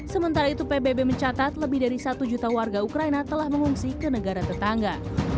sementara itu pbb mencatat lebih dari satu juta warga ukraina telah mengungsi ke negara tetangga